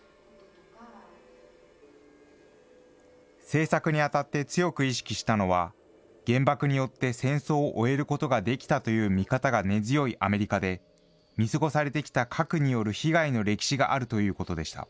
制作にあたって強く意識したのは、原爆によって戦争を終えることができたという見方が根強いアメリカで、見過ごされてきた核による被害の歴史があるということでした。